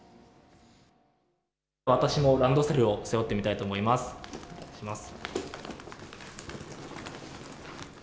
私もランドセルを背負ってみたいと思います。